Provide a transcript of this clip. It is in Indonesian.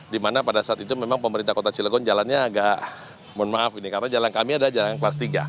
dimana pada saat itu memang pemerintah kota cilegon jalannya agak mohon maaf ini karena jalan kami adalah jalan kelas tiga